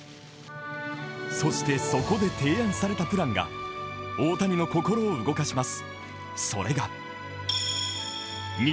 そして、そこで提案されたプランが大谷の心を動かします。